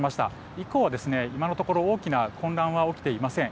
以降はですね、今のところ大きな混乱は起きていません。